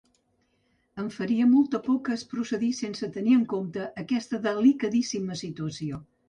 Em faria molta por que es procedís sense tenir en compte aquesta delicadíssima situació.